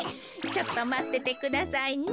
ちょっとまっててくださいね。